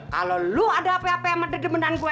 kalau lu ada apa apa yang mendebenan gue